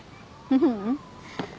ううん。